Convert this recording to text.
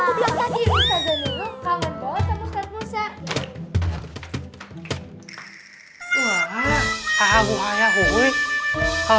ustaz zanurul kangen banget sama ustaz musa